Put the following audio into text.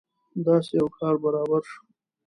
داسې یو کار برابر شو.